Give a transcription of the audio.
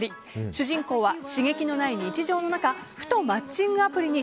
主人公は刺激のない日常の中ふとマッチングアプリに